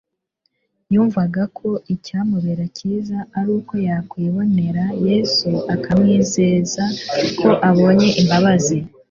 Yumvaga ko icyamubera cyiza ari uko yakwibonera Yesu akamwizeza ko abonye imbabazi,